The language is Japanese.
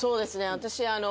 私あの。